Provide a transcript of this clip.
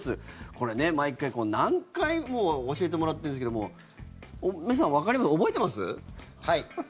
これ、毎回、何回も教えてもらってるんですけども皆さん、わかります？